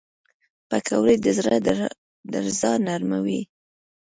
پکورې د زړه درزا نرموي